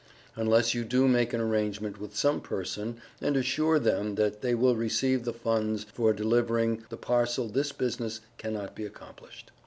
unless you do make an arrangement with some person, and assure them that they will receive the funs for delivering the parcel this Business cannot be accomplished.